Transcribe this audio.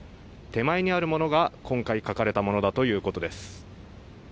手前にあるものが今回描かれたものだということです。